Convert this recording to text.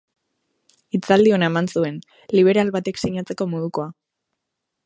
Hitzaldi ona eman zuen, liberal batek sinatzeko modukoa.